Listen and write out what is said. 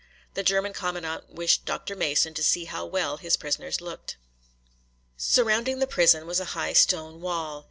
The German commandant wished Dr. Mason to see how well his prisoners looked. Surrounding the prison was a high stone wall.